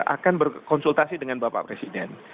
akan berkonsultasi dengan bapak presiden